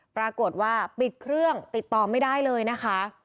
ปรากฏว่าปิดเครื่องติดต่อไม่ได้เลยนะคะ